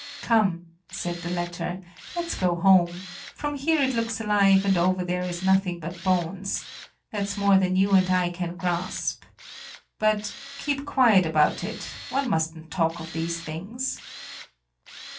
"Come," said the latter, "let's go home: from here it looks alive and over there is nothing but bones that's more than you and I can grasp. But keep quiet about it, one mustn't talk of these things."